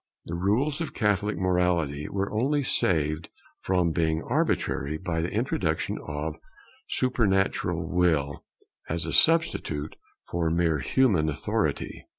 The rules of Catholic morality were only saved from being arbitrary by the introduction of a supernatural Will as a substitute for mere human authority.